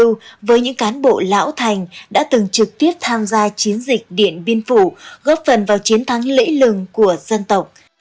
giao lưu với những cán bộ lão thành đã từng trực tiếp tham gia chiến dịch điện biên phủ góp phần vào chiến thắng lễ lừng của dân tộc